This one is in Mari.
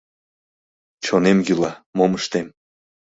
Чонем йӱла - мом ыштем?